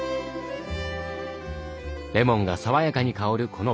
レモンが爽やかに香るこのパスタ。